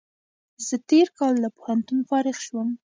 زه تېر کال له پوهنتون فارغ شوم